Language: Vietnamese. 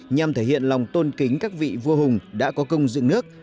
nhằm thể hiện lòng tôn kính các vị vua hùng đã có công dựng nước